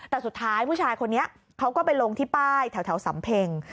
แต่สุดท้ายผู้ชายคนนี้เขาก็ไปลงที่ป้ายแถวสำเพ็ง